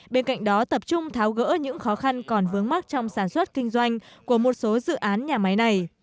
bên cạnh đó tập trung tháo gỡ những khó khăn còn vướng mắc trong sản xuất kinh doanh của một số dự án nhà máy này